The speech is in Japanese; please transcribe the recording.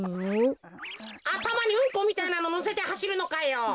あたまにうんこみたいなののせてはしるのかよ。